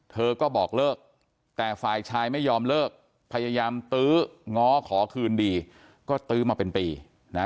เธอก็บอกเลิกแต่ฝ่ายชายไม่ยอมเลิกพยายามตื้อง้อขอคืนดีก็ตื้อมาเป็นปีนะ